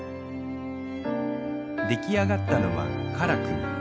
出来上がったのは唐組。